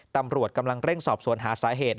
ตำรวจกำลังเร่งสอบสวนหาสาเหตุ